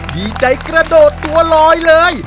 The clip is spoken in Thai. ดีใจกระโดดตัวลอยเลย